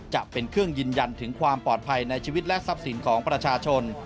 จะเป็นเครื่องยืนยันถึงความปลอดภัยในชีวิตและทรัพย์สินของประชาชน